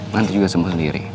nanti juga semua sendiri